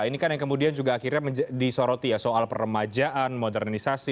ini kan yang kemudian juga akhirnya disoroti ya soal peremajaan modernisasi